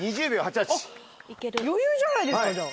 余裕じゃないですかじゃあ。